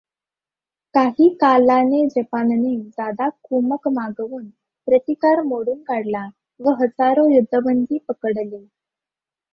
काही कालाने जपानने जादा कुमक मागवुन प्रतिकार मोडुन काढला व हजारो युद्धबंदी पकडले.